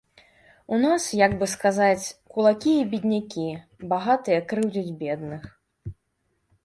У нас, як бы сказаць, кулакі і беднякі, багатыя крыўдзяць бедных.